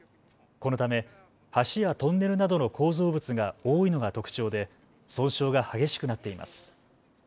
このため橋やトンネルなどの構造物が多いのが特徴で損傷が激しくなっています。